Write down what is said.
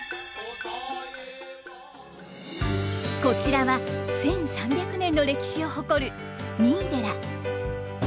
こちらは１，３００年の歴史を誇る三井寺。